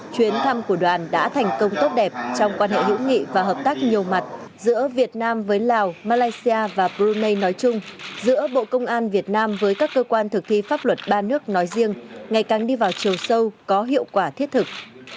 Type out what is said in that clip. chuyến thăm của đoàn đã thành công tốt đẹp trong quan hệ hữu nghị và hợp tác nhiều mặt giữa việt nam với lào malaysia và brunei nói chung giữa bộ công an việt nam với các cơ quan thực thi pháp luật ba nước nói riêng ngày càng đi vào chiều sâu có hiệu quả thiết thực